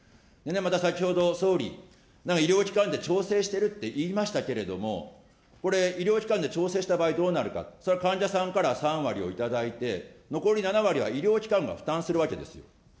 先ほど総理、医療機関で調整してるって言いましたけれども、これ、医療機関で調整した場合どうなるか、それは患者さんから３割を頂いて、残り７割は医療機関が負担するわけです。